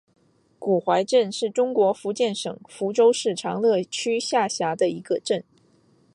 古槐镇是中国福建省福州市长乐区下辖的一个镇。